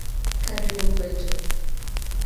Karibu Kwetu